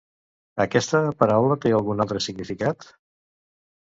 Aquesta paraula té algun altre significat?